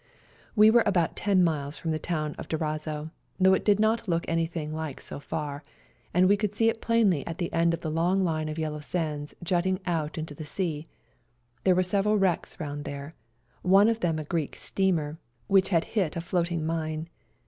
We were about 10 miles from the town of Durazzo, though it did not look 172 SERBIAN CHRISTMAS DAY anything like so far, and we could see it plainly at the end of the long line of yellow sands jutting out into the sea. There were several wrecks round there, one of them a Greek steamer, which had hit a floating mine.